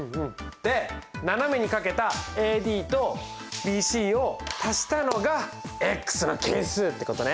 で斜めにかけたｄとｂｃを足したのがの係数ってことね。